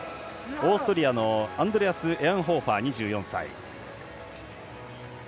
オーストリアのアンドレアス・エアンホーファー。